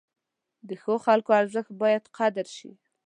د ښو خلکو ارزښت باید قدر شي.